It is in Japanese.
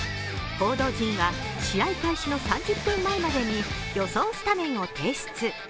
報道陣は試合開始の３０分前までに予想スタメンを提出。